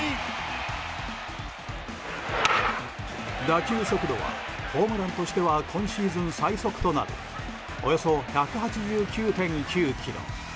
打球速度はホームランとしては今シーズン最速となるおよそ１８９．９キロ。